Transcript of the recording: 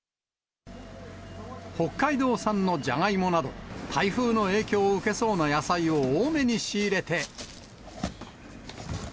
北海道産のジャガイモなど、台風の影響を受けそうな野菜を多めに仕入れて。